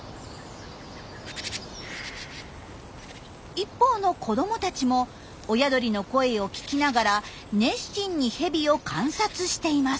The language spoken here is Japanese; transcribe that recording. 一方の子どもたちも親鳥の声を聞きながら熱心にヘビを観察しています。